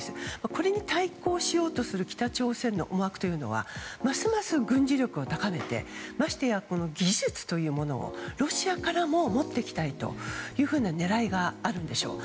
これに対抗しようとする北朝鮮の思惑というのはますます軍事力を高めてましてや技術というものをロシアからも持ってきたいというふうな狙いがあるんでしょう。